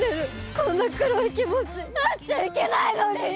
こんな黒い気持ちなっちゃいけないのに！